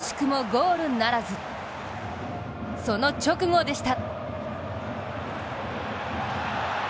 前半６分ここは惜しくもゴールならず、その直後でした。